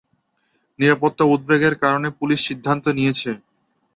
নিরাপত্তা উদ্বেগের কারণে পুলিশ সিদ্ধান্ত নিয়েছে।